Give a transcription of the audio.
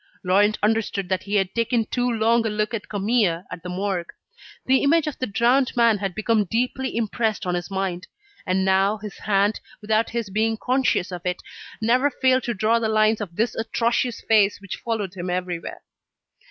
Laurent understood that he had taken too long a look at Camille at the Morgue. The image of the drowned man had become deeply impressed on his mind; and now, his hand, without his being conscious of it, never failed to draw the lines of this atrocious face which followed him everywhere.